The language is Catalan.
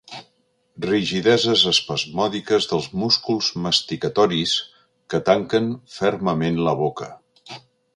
Rigideses espasmòdiques dels músculs masticatoris que tanquen fermament la boca.